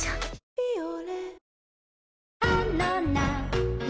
「ビオレ」